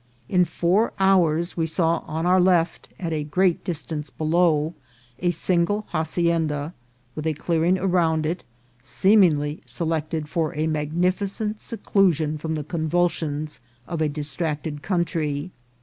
In four hours we saw on our left, at a great distance below, a single hacienda, with a clearing around it, seemingly selected for a magnifi cent seclusion from the convulsions of a distracted country.